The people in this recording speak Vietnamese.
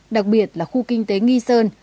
đặc biệt là khu kinh tế nghi sơn